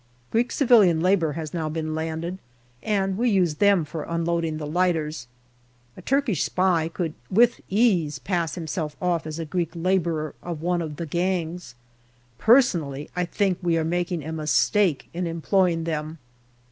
Greek civilian labour has now been landed, and we use them for unloading the lighters. A Turkish spy could with ease pass himself off as a Greek labourer of one of the gangs. Personally, I think we are making a mistake in employing them.